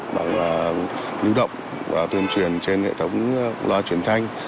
bằng lưu động và tuyên truyền trên hệ thống loa truyền thanh